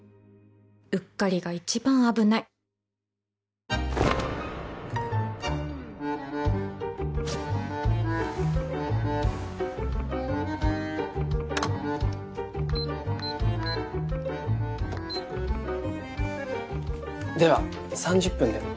うっかりが一番危ないでは３０分で。